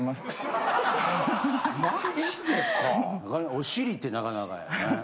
お尻ってなかなかやね。